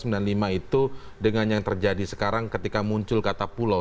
berdasarkan kprs sembilan puluh lima itu dengan yang terjadi sekarang ketika muncul kata pulau